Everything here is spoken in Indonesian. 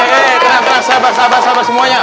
tenang tenang sabar sabar sabar semuanya